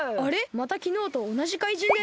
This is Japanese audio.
またきのうとおなじかいじんだよ。